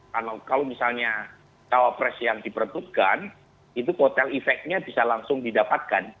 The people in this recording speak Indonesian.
kalau misalnya cawapres yang diperebutkan itu kotel efeknya bisa langsung didapatkan